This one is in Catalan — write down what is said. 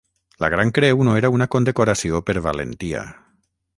La Gran Creu no era una condecoració per valentia.